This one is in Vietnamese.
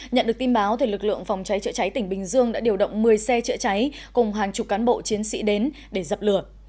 nhận được tin báo lực lượng phòng cháy chữa cháy tỉnh bình dương đã điều động một mươi xe chữa cháy cùng hàng chục cán bộ chiến sĩ đến để dập lửa